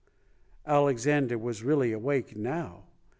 Alexander was really awake now.